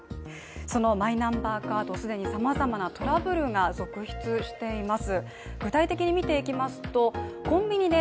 そのマイナンバーカード、既にさまざまなトラブルが続出しています。